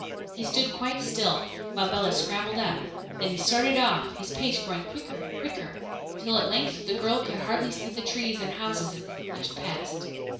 He stood quite still while Bellah scrambled up, then he started off, his pace growing quicker and quicker, till at length the girl could hardly see the trees and houses as they flashed past.